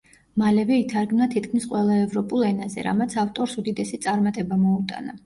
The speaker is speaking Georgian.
მალევე ითარგმნა თითქმის ყველა ევროპულ ენაზე, რამაც ავტორს უდიდესი წარმატება მოუტანა.